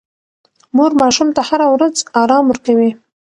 مور ماشوم ته هره ورځ ارام ورکوي.